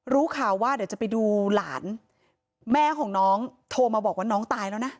รู้ข่าวว่าเดี๋ยวจะไปดูหลานแม่ของน้องโทรมาบอกว่าน้องตายแล้วนะ